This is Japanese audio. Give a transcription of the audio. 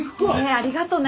えありがとね。